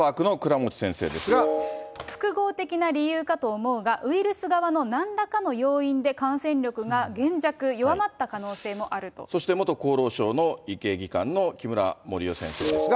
そして、複合的な理由かと思うが、ウイルス側のなんらかの要因で、感染力が減弱、そして、元厚労省の医系技官の木村もりよ先生ですが。